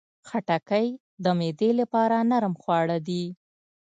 خټکی د معدې لپاره نرم خواړه دي.